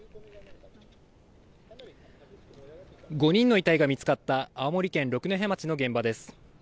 ５人の遺体が見つかった青森県六戸町の現場です。